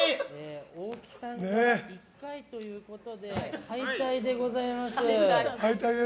大木さんが１回ということで敗退でございます。